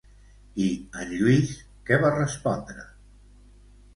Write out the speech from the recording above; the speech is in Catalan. I en Lluís què va respondre?